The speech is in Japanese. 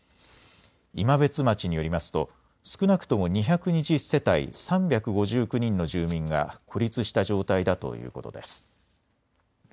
今別町によりますと少なくとも２２０世帯３５９人の住民が孤立した状態だということです。